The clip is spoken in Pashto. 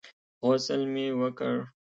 غسل مې وکړ.